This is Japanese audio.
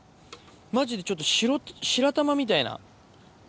マジでちょっと白玉みたいな。